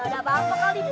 gak ada apa apa kali bu